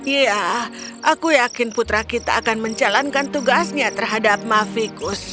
ya aku yakin putra kita akan menjalankan tugasnya terhadap mavikus